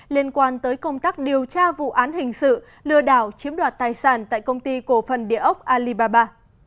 liên quan tới công tác điều tra vụ án hình sự lừa đảo chiếm đoạt tài sản tại công ty cổ phần địa ốc alibaba